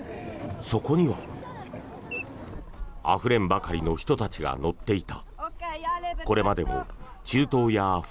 そこにはあふれんばかりの人たちが乗っていた。